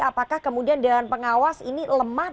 apakah kemudian dewan pengawas ini lemah